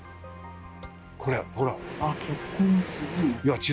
これほら。